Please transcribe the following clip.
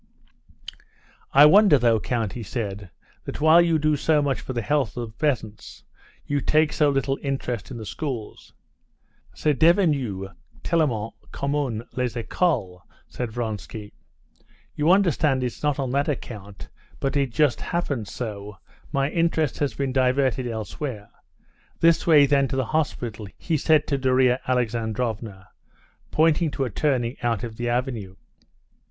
"I wonder, though, count," he said, "that while you do so much for the health of the peasants, you take so little interest in the schools." "C'est devenu tellement commun les écoles," said Vronsky. "You understand it's not on that account, but it just happens so, my interest has been diverted elsewhere. This way then to the hospital," he said to Darya Alexandrovna, pointing to a turning out of the avenue.